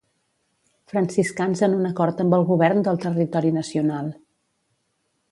Franciscans en un acord amb el govern del territori nacional.